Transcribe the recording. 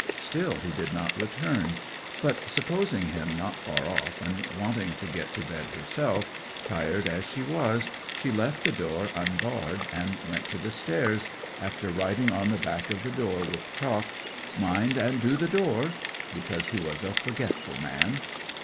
Still he did not return, but supposing him not far off, and wanting to get to bed herself, tired as she was, she left the door unbarred and went to the stairs, after writing on the back of the door with chalk: Mind and do the door (because he was a forgetful man).